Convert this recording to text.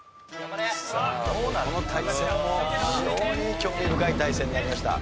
さあこの対戦も非常に興味深い対戦になりました。